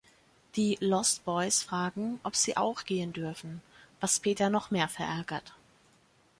Die "Lost Boys" fragen, ob sie auch gehen dürfen, was Peter noch mehr verärgert.